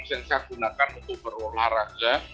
yang saya gunakan untuk berolahraga